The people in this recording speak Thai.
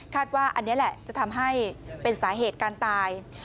ว่าอันนี้แหละจะทำให้เป็นสาเหตุการตาย